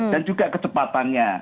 dan juga kecepatannya